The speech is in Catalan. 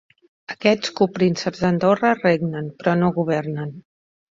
Aquests coprínceps d'Andorra regnen, però no governen.